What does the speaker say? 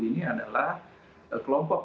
ini adalah kelompok